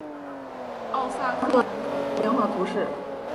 奥萨克人口变化图示